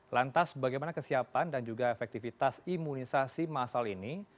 lantas bagaimana kesiapan dan juga efektivitas imunisasi masal ini